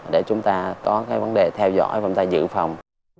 để chúng ta có cái vấn đề theo dõi và chúng ta dự phòng